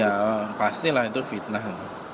ya pastilah itu fitnah